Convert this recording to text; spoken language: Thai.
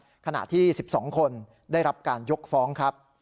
ขณะที่๑๒คนได้รับการยกฟ้องครับ